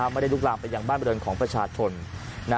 ไม่ได้ลุกลามไปยังบ้านบริเวณของประชาชน